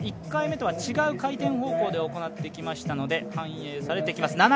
１回目とは違う回転方向で行ってきましたので反映されてきます、７２．２５。